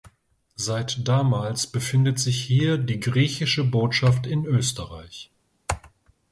Seit damals befindet sich hier die Griechische Botschaft in Österreich.